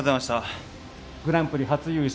グランプリ初優勝。